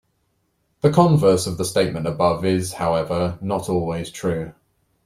The converse of the statement above is, however, not always true.